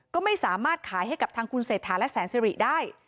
ก็ไม่สามารถขายให้กับทางคุณเศรษฐาและแสนสิริได้